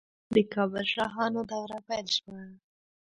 د کابل شاهانو دوره پیل شوه